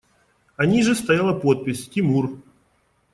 А ниже стояла подпись: «Тимур».